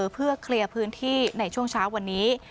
เพื่อเคลียร์พื้นที่ในช่วงเช้าวันนี้